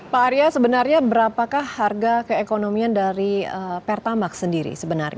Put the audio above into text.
pak arya sebenarnya berapakah harga keekonomian dari pertamak sendiri